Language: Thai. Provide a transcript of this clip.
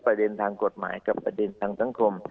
ประเด็นทางกฎหมายกับประเด็นทางสังคม